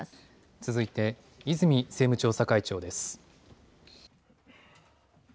続いて泉政務調査会長です。